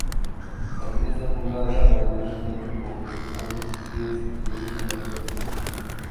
La región está poblada mayoritariamente por musulmanes chiíes y una minoría de cristianos.